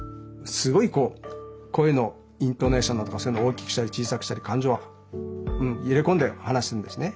すごいこう声のイントネーションだとかそういうのを大きくしたり小さくしたり感情を入れ込んで話すんですね。